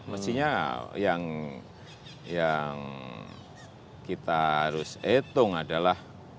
mestinya yang kita harus hitung adalah